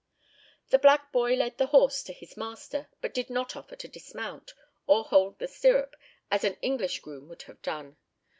The black boy led the horse to his master, but did not offer to dismount, or hold the stirrup, as an English groom would have done.